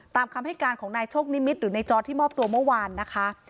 ตามคำให้การของนายโชคนิมิตรหรือในจอร์ดที่มอบตัวเมื่อวานนะคะ